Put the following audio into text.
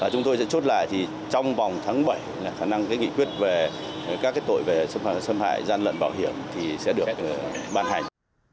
chúng tôi sẽ chốt lại thì trong vòng tháng bảy khả năng nghị quyết về các tội về xâm hại gian lận bảo hiểm sẽ được ban hành